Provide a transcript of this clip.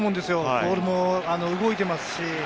ボールも動いていますし。